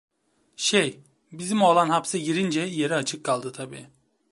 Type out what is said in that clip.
Şey, bizim oğlan hapse girince yeri açık kaldı tabii…